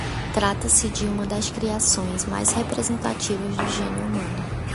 Trata-se de uma das criações mais representativas do génio humano